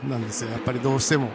やっぱり、どうしても。